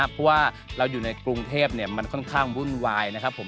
เพราะว่าเราอยู่ในกรุงเทพมันค่อนข้างวุ่นวายนะครับผม